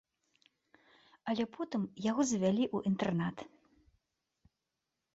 Але потым яго завялі ў інтэрнат.